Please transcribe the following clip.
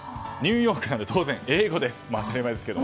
ニューヨークなので当然英語です。